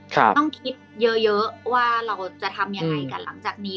ต้องคิดเยอะว่าเราจะทำยังไงกันหลังจากนี้